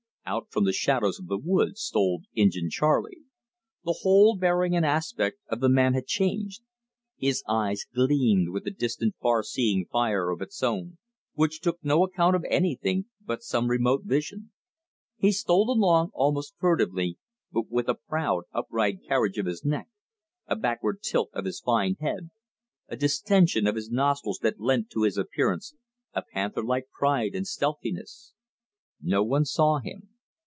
Out from the shadows of the woods stole Injin Charley. The whole bearing and aspect of the man had changed. His eye gleamed with a distant farseeing fire of its own, which took no account of anything but some remote vision. He stole along almost furtively, but with a proud upright carriage of his neck, a backward tilt of his fine head, a distention of his nostrils that lent to his appearance a panther like pride and stealthiness. No one saw him.